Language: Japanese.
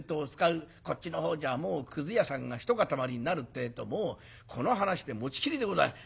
こっちのほうじゃくず屋さんが一塊になるってえともうこの話で持ちきりでございます。